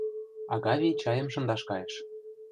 Агавий чайым шындаш кайыш.